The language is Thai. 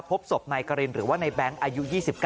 พบศพนายกรินหรือว่าในแบงค์อายุ๒๙